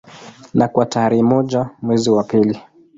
Na kwa tarehe moja mwezi wa pili